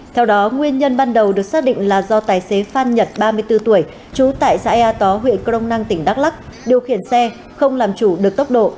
theo đó nguyên nhân ban đầu được xác định là do tài xế phan nhật ba mươi bốn tuổi trú tại xã ea tó huyện crong năng tỉnh đắk lắc điều khiển xe không làm chủ được tốc độ